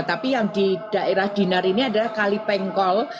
tapi yang di daerah dinar ini adalah kalipengkol